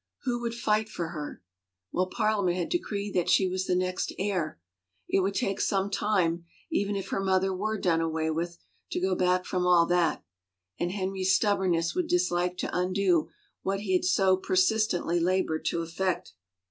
Who would fight for her? ... Well, Parliament had decreed that she was the next heir ; it would take some time, even if her mother were done away with, to go back from all that, and Henry's stubbornness would dislike to undo what he had so persistently labored to effect.